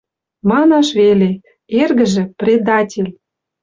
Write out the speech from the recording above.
Манаш веле, эргӹжӹ — предатель!